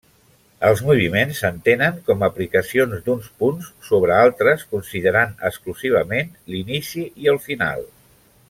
Els moviments s'entenen com aplicacions d'uns punts sobre altres, considerant exclusivament l'inici i el final.